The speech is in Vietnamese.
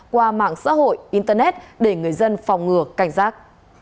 qua mạng xã hội internet để người dân phòng ngừa cảnh giác